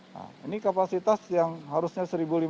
nah ini kapasitas yang harusnya seribu lima puluh